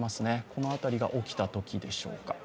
この辺りが起きたときでしょうか。